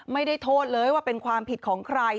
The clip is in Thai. ไม่ได้โทษเลยว่าเป็นความผิดของใคร